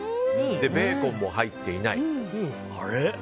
ベーコンも入っていない。